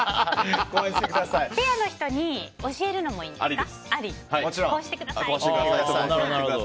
ペアの人に教えるのもいいんですか？